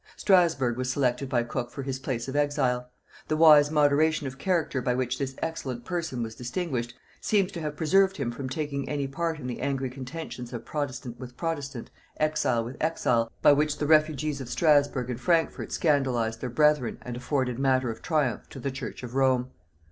Strasburgh was selected by Cook for his place of exile. The wise moderation of character by which this excellent person was distinguished, seems to have preserved him from taking any part in the angry contentions of protestant with protestant, exile with exile, by which the refugees of Strasburgh and Frankfort scandalized their brethren and afforded matter of triumph to the church of Rome.